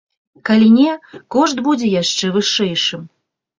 Калі не, кошт будзе яшчэ вышэйшым.